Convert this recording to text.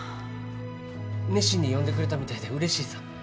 熱心に読んでくれたみたいでうれしいさ。